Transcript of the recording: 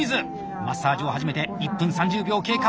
マッサージを始めて１分３０秒経過！